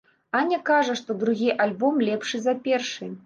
Аня кажа, што другі альбом лепшы за першы.